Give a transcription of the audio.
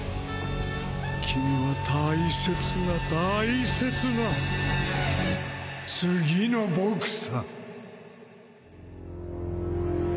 君は大切な大切な次の僕さ。